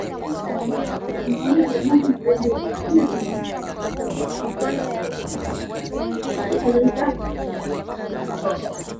ira kwa hivyo uamuzi yake haitakuwa kulingana na sheria lakini pale hague hiyo itakuwepo